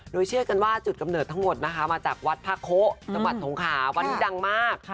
โดยเชื่อกันว่าจุดกำเนิดทั้งหมดนะคะมาจากวัดพระโคะจังหวัดสงขาวัดนี้ดังมาก